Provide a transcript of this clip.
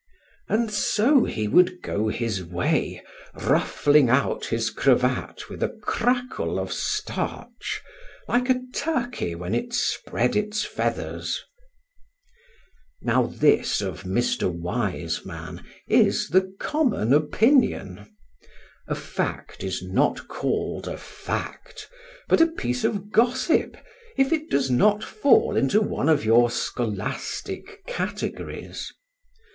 And so he would go his way, ruffling out his cravat with a crackle of starch, like a turkey when it spread its feathers. Now this, of Mr. Wiseman, is the common opinion. A fact is not called a fact, but a piece of gossip, if it does not fall into one of your scholastic categories.